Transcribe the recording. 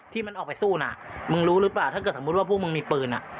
ที่มันออกไปสู้น่ะมึงรู้หรือเปล่าถ้าเกิดสมมุติว่าพวกมึงมีปืน